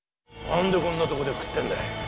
何でこんなとこで食ってんだい。